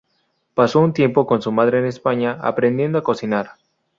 Pasó un tiempo con su madre en España aprendiendo a cocinar.